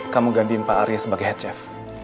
kamu gantiin pak arya sebagai head chef